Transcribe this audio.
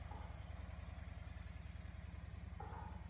তিনি শিক্ষকতা থেকে অবসর গ্রহণ করেন।